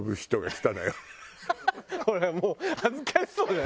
ほらもう恥ずかしそうだよ！